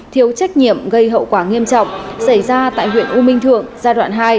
thiếu trách nhiệm gây hậu quả nghiêm trọng xảy ra tại huyện u minh thượng giai đoạn hai